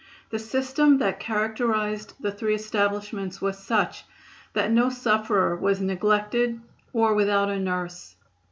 The system that characterized the three establishments was such that no sufferer was neglected or without a nurse.